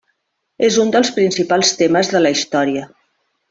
És un dels principals temes de la història.